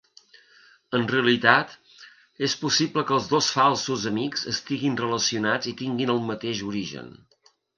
En realitat, és possible que els dos "falsos amics" estiguin relacionats i tinguin el mateix origen.